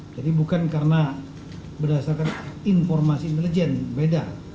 jadi bukan karena berdasarkan informasi intelijen beda